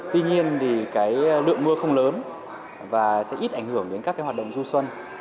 tuy nhiên thì lượng mưa không lớn và sẽ ít ảnh hưởng đến các hoạt động du xuân